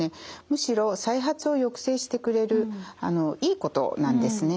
むしろ再発を抑制してくれるいいことなんですね。